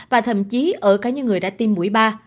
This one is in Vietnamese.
và thậm chí ở cả những người đã tiêm mũi ba